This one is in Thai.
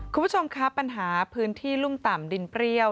คุณผู้ชมครับปัญหาพื้นที่รุ่มต่ำดินเปรี้ยว